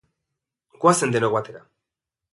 Goazen denok batera